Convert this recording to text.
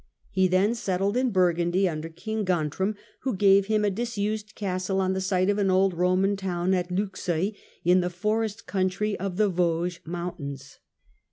He then settled in Burgundy under King Gontram, who gave him a disused castle on the site of an old Roman town at Luxeuil, in the forest country of the Vosges mountains.